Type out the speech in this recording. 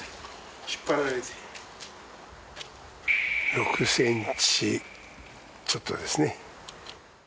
６ｃｍちょっとですね。